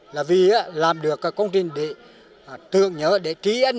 là vì làm được công trình để tường nhớ để trí ân